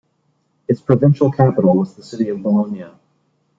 Its provincial capital was the city of Bologna.